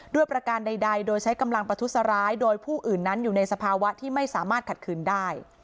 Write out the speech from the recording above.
ประการใดโดยใช้กำลังประทุษร้ายโดยผู้อื่นนั้นอยู่ในสภาวะที่ไม่สามารถขัดขืนได้